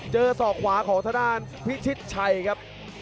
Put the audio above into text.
เจอศอกขวาของทะดานพิชิตชัยครับ